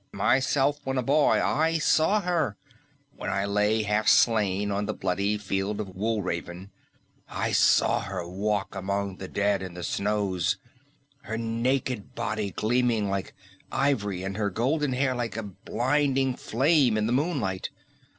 Myself when a boy I saw her, when I lay half slain on the bloody field of Wolraven. I saw her walk among the dead in the snows, her naked body gleaming like ivory and her golden hair like a blinding flame in the moonlight.